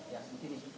ya di sini